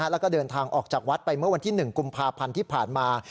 แล้วก็เดินทางออกจากวัดไปเมื่อวันที่๑กุมภาพันธ์ที่ผ่านมา